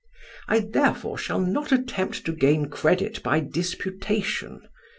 I therefore shall not attempt to gain credit by disputation.